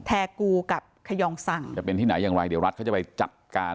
แอร์กูกับขยองสั่งจะเป็นที่ไหนอย่างไรเดี๋ยวรัฐเขาจะไปจัดการ